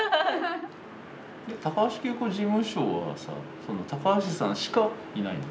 高橋佳子事務所はさ高橋さんしかいないの？